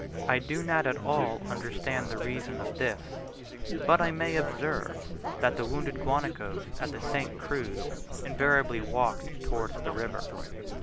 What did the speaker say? I do not at all understand the reason of this, but I may observe, that the wounded guanacos at the St. Cruz invariably walked towards the river.